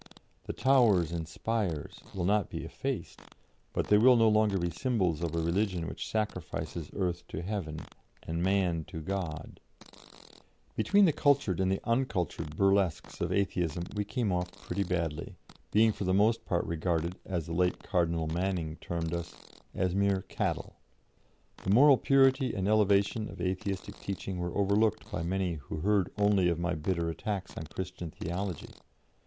The 'towers and spires' will not be effaced, but they will no longer be symbols of a religion which sacrifices earth to heaven and Man to God." Between the cultured and the uncultured burlesques of Atheism we came off pretty badly, being for the most part regarded, as the late Cardinal Manning termed us, as mere "cattle." The moral purity and elevation of Atheistic teaching were overlooked by many who heard only of my bitter attacks on Christian theology.